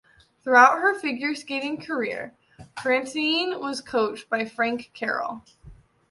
Throughout her figure skating career, Fratianne was coached by Frank Carroll.